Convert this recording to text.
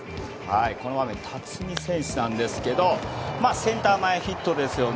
この場面辰己選手なんですけどセンター前ヒットですよね。